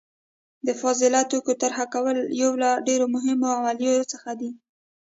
د فاضله توکي طرحه کول یو له ډیرو مهمو عملیو څخه دي.